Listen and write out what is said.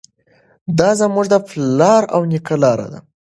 دا زموږ د پلار او نیکه لاره ده.